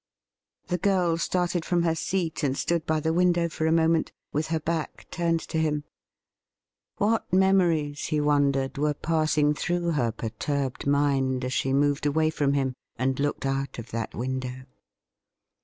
The girl started from her seat and stood by the window for a moment, with her back turned to him. What 'I COULD HAVE LOVED YOU' 107 memories, he wondered, were passing through her perturbed mind as she moved away from him and looked out of that window